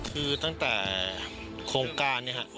คือตั้งแต่โครงการนี้ครับ